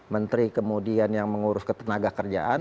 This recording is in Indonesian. menteri kemudian yang mengurus ke tenaga kerjaan